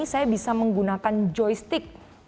saya bisa menggunakan joystick